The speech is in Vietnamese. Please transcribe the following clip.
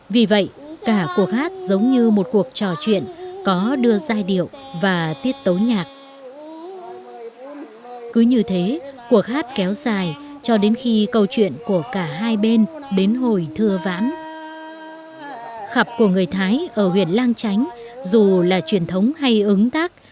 cứ như thế cuộc hát giống như một cuộc trò chuyện có đưa giai đoạn truyền thống hay ứng tác